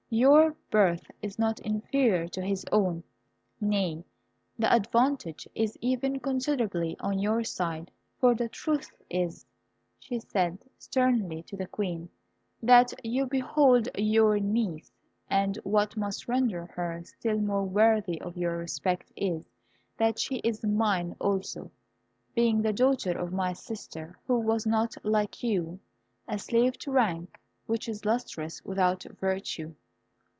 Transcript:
Your birth is not inferior to his own. Nay, the advantage is even considerably on your side, for the truth is," said she, sternly, to the Queen, "that you behold your niece; and what must render her still more worthy of your respect is, that she is mine also, being the daughter of my sister, who was not, like you, a slave to rank which is lustreless without virtue.